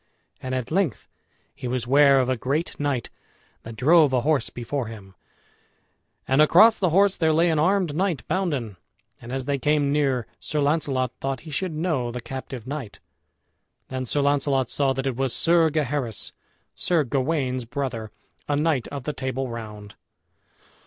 And at length he was ware of a great knight that drove a horse before him, and across the horse there lay an armed knight bounden. And as they came near, Sir Launcelot thought he should know the captive knight. Then Sir Launcelot saw that it was Sir Gaheris, Sir Gawain's brother, a knight of the Table Round.